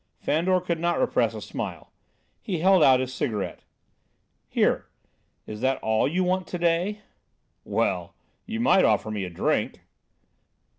Fandor could not repress a smile. He held out his cigarette. "Here; is that all you want to day?" "Well, you might offer me a drink."